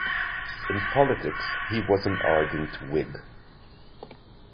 In politics he was an ardent Whig.